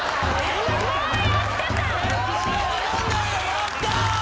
やった。